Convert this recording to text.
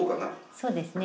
そうですね。